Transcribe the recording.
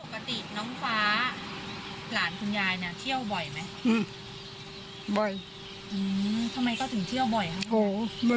ปกติน้องฟ้าหลานคุณยายเนี่ยเที่ยวบ่อยมั้ย